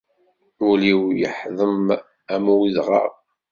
Ul-iw yeḥḍem am udɣaɣ.